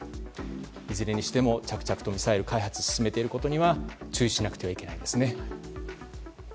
いずれにしても着々とミサイル開発を進めていることには注意しなくてはいけないですね。